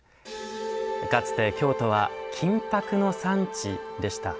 かつて京都は金箔の産地でした。